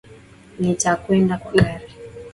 Nitakwenda kwa gari